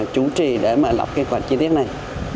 chủ trì để mà lập cái khoạch chi tiết này